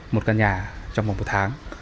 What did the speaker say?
một căn nhà trong vòng một tháng